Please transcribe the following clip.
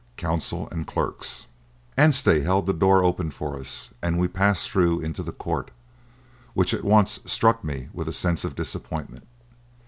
Counsel and clerks." Anstey held the door open for us, and we passed through into the court, which at once struck me with a sense of disappointment.